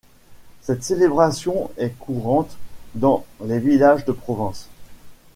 Cette célébration est courante dans les villages de Provence.